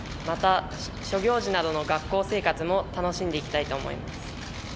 また諸行事などの学校生活も楽しんでいきたいと思います。